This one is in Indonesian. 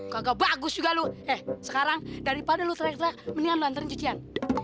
kagak bagus juga lu eh sekarang daripada lu teriak teriak mendingan lu hantarin cucian